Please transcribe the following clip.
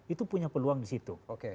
itu punya peluang di situ